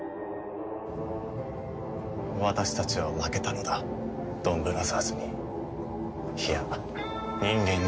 私たちは負けたのだドンブラザーズにいや人間に。